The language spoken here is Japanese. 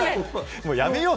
もうやめよう？